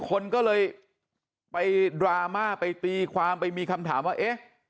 คนก็เลยไปดราม่าไปตีความไปมีคำถามว่าเอ๊ะ